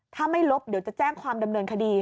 ถ้าไม่ลบเดี๋ยวจะแจ้งความดำเนินคดี